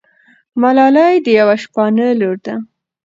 ملالۍ د یوه شپانه لور ده.